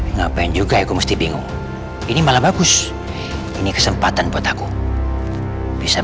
ngapain juga aku mesti bingung ini malah bagus ini kesempatan buat aku bisa